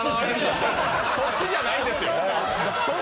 そっちじゃないです。